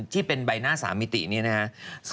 ที่เป็นใบหน้าสามิตินี้นะฮะ